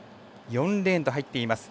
４レーンと入っています。